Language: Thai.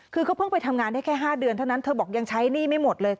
คือก็เพิ่งไปทำงานได้แค่๕เดือนเท่านั้นเธอบอกยังใช้หนี้ไม่หมดเลย